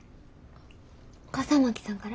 笠巻さんから？